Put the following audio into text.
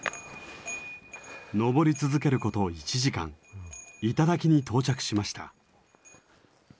登り続けること１時間頂に到着しました。